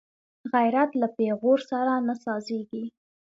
غیرت له پېغور سره نه سازېږي